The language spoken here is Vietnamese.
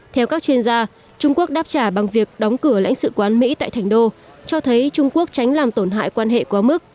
theo các chuyên gia trung quốc đáp trả bằng việc đóng cửa lãnh sự quán mỹ tại thành đô cho thấy trung quốc tránh làm tổn hại quan hệ quá mức